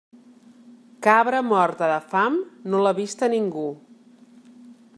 Cabra morta de fam no l'ha vista ningú.